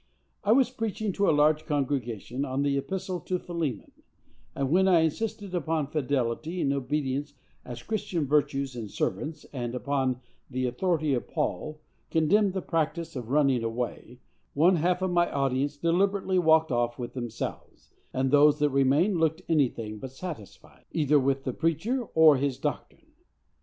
I was preaching to a large congregation on the Epistle to Philemon; and when I insisted upon fidelity and obedience as Christian virtues in servants, and, upon the authority of Paul, condemned the practice of running away, one half of my audience deliberately walked off with themselves, and those that remained looked anything but satisfied, either with the preacher or his doctrine.